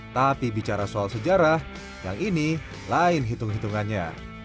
tapi bicara soal sejarah yang ini lain hitung hitungannya